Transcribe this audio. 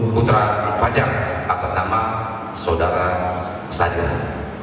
putra fajar atas nama saudara sadira